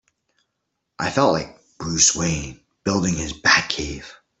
I felt like Bruce Wayne building his Batcave!